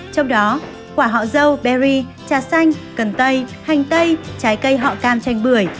trong đó quả họ dâu berry trà xanh cần tây hành tây trái cây họ cam chanh bưởi